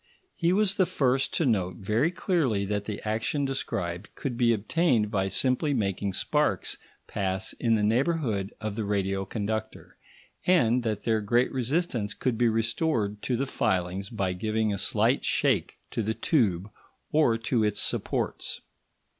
He was the first to note very clearly that the action described could be obtained by simply making sparks pass in the neighbourhood of the radio conductor, and that their great resistance could be restored to the filings by giving a slight shake to the tube or to its supports.